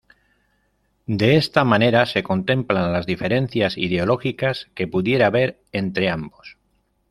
De esta manera se contemplan las diferencias ideológicas que pudiera haber entre ambos.